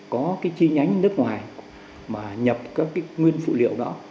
có cái chi nhánh nước ngoài mà nhập các cái nguyên phụ liệu đó